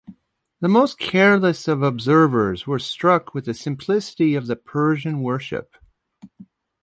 The most careless of observers were struck with the simplicity of the Persian worship.